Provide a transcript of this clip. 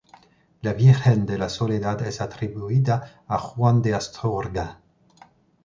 La Virgen de la Soledad es atribuida a Juan de Astorga.